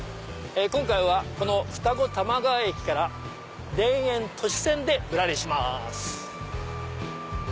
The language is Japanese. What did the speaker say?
今回はこの二子玉川駅から田園都市線でぶらりします。